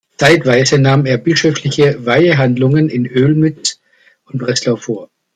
Zeitweise nahm er bischöfliche Weihehandlungen in Olmütz und Breslau vor.